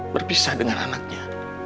berpisah dengan anaknya